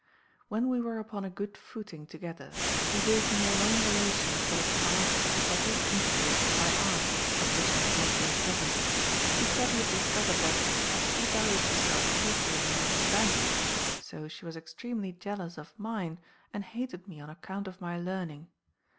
"When we were upon a good footing together he gave me a long relation of what had past at several interviews with my aunt, at which I had not been present. He said he had discovered that, as she valued herself chiefly on her understanding, so she was extremely jealous of mine, and hated me on account of my learning.